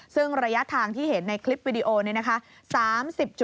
ซึ่งระยะทางที่เห็นในคลิปวิดีโอนี่นะคะ